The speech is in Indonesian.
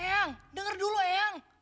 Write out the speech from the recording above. eang dengar dulu eang